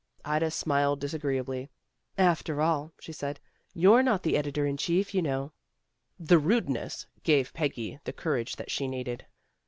Ida smiled disagreeably. "After all," she said, "you're not the editor in chief, you know." The rudness gave Peggy the courage that she needed.